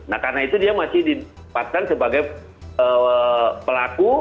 nah karena itu dia masih di tempatkan sebagai pelaku